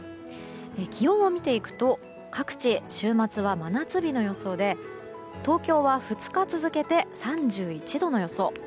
気温を見ていくと各地、週末は真夏日の予想で東京は２日続けて３１度の予想。